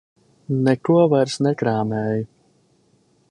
Neko vairs nekrāmēju.